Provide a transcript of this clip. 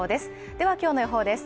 では今日の予報です。